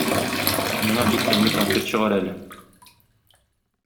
Миңа бик тәмле конфет чыгар әле.